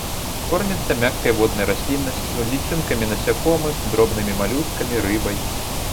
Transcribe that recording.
Корміцца мяккай воднай расліннасцю, лічынкамі насякомых, дробнымі малюскамі, рыбай.